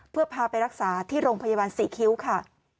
เพื่อพาไปรักษาที่โรงพยาบาลศรีคิ้วค่ะ